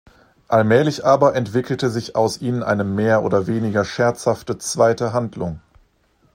Allmählich aber entwickelte sich aus ihnen eine mehr oder weniger scherzhafte zweite Handlung.